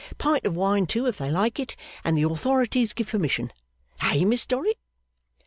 Pint of wine too, if they like it, and the authorities give permission. Eh, Miss Dorrit?